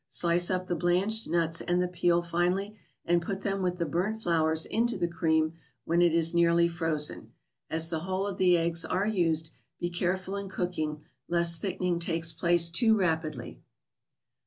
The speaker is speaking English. Slice up the blanched nuts and the peel finely, and put them with the burnt flowers into the cream, when it is nearly frozen. As the whole of the eggs are used, be careful in cooking, lest thickening take place too rapidly.